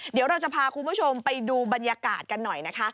เดี๋ยวเราจะพาคุณผู้ชมไปดูบรรยากาศกันหน่อยนะคะ